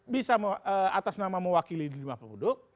bisa atas nama mewakili rumah penduduk